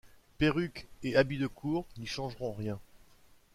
Perruque et habit de cour n'y changeront rien.